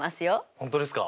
本当ですか？